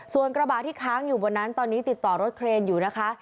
ส่วนกระบะที่ค้างอยู่บนนั้นตอนนี้ติดต่อรถเครนอยู่นะคะ